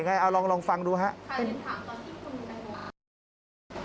ไงเอาลองฟังดูครับ